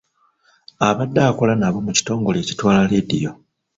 Abadde akola nabo mu kitongole ekitwala leediyo .